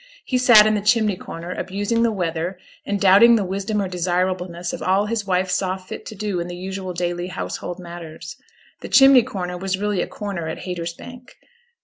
He sat in the chimney corner, abusing the weather and doubting the wisdom or desirableness of all his wife saw fit to do in the usual daily household matters. The 'chimney corner' was really a corner at Haytersbank.